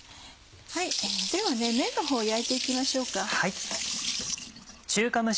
では麺のほうを焼いて行きましょうか。